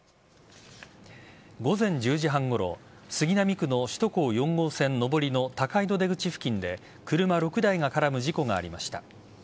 午前１０時半ごろ杉並区の首都高４号線上りの高井戸出口付近で車６台が絡む事故がありました。